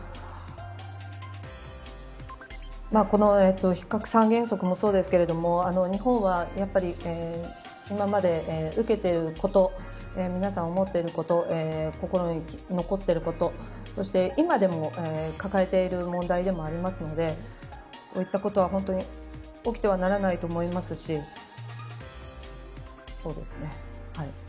この非核三原則もそうですけれども日本は、やっぱり今まで受けていること皆さん思っていること心に残っていることそして今でも抱えている問題でもありますのでこういったことは、本当に起きてはならないと思いますしそうですね、はい。